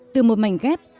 từ một mảnh ghép